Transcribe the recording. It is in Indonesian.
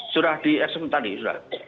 sudah di assemen tadi sudah